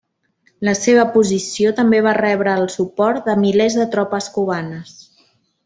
La seva posició també va rebre el suport de milers de tropes cubanes.